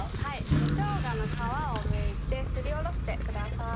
根生姜の皮をむいてすりおろしてください。